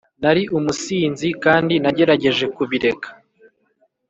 Nari umusinzi kandi nagerageje kubireka